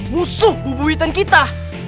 musuh bubu hitam kita